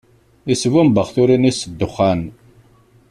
Isbumbex turin-is s ddexxan.